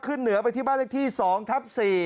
ขึ้นเหนือไปที่บ้านที่๒ทับ๔